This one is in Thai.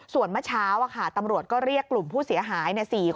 ส่วนเมื่อเช้าตำรวจก็เรียกกลุ่มผู้เสียหาย๔คน